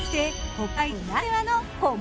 北海道ならではの味